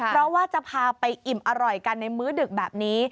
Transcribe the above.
เพราะว่าจะพาไปอิ่มอร่อยกันในมื้อดึกแบบนี้